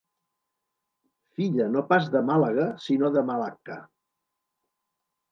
Filla no pas de Màlaga sinó de Malacca.